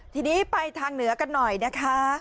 ทีนี้ไปทางเหนือกันหน่อยนะคะ